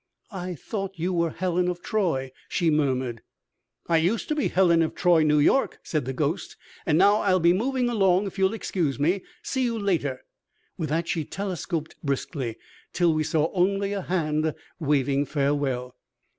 "I thought you were Helen of Troy," she murmured. "I used to be Helen of Troy, New York," said the ghost. "And now I'll be moving along, if you'll excuse me. See you later." With that she telescoped briskly, till we saw only a hand waving farewell.